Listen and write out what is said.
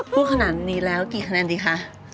พูดขนาดนี้แล้วกี่คะแนนดีคะ